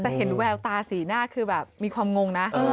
แต่เห็นแววตาสีหน้าคือแบบมีความงงนะ